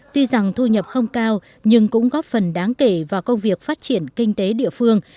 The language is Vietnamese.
tuy rằng thu nhập không cao nhưng cũng góp phần đáng kể vào công việc phát triển kinh tế địa phương